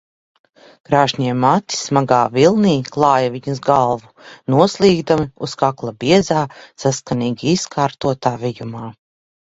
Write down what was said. Krāšņie mati smagā vilnī klāja viņas galvu, noslīgdami uz kakla biezā, saskanīgi izkārtotā vijumā.